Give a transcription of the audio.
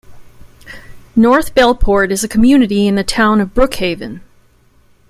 North Bellport is a community in the Town of Brookhaven.